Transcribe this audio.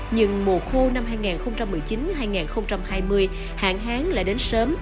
nhưng mùa khô năm hai nghìn một mươi chín hai nghìn hai mươi hạn hán lại đến sớm